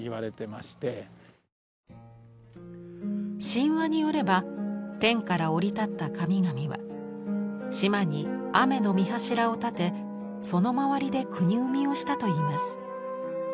神話によれば天から降り立った神々は島に天の御柱を建てその周りで国生みをしたといいます。